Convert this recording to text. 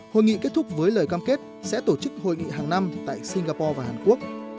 hội nghị kết thúc với lời cam kết sẽ tổ chức hội nghị hàng năm tại singapore và hàn quốc